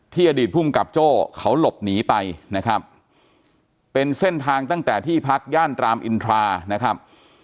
อดีตภูมิกับโจ้เขาหลบหนีไปนะครับเป็นเส้นทางตั้งแต่ที่พักย่านรามอินทรานะครับ